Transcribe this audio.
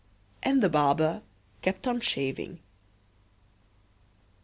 And the barber kept on shaving.